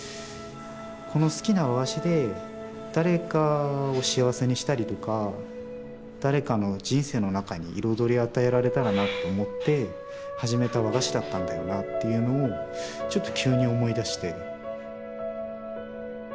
この好きな和菓子で誰かを幸せにしたりとか誰かの人生の中に彩りを与えられたらなって思って始めた和菓子だったんだよなというのをちょっと急に思い出して。